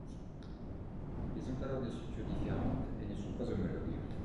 Ils ont alors des structures différentes et ne sont pas homologues.